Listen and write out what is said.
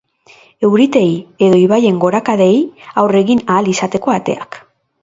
Euriteei edo ibaien gorakadei aurre egin ahal izateko ateak.